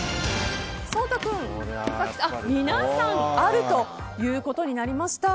皆さんあるということになりました。